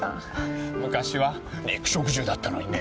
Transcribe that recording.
昔は肉食獣だったのにね。